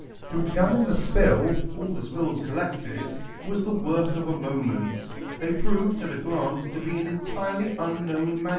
To examine the spill, all the spills collected, was the work of a moment. They proved, at a glance, to be an entirely unknown MS.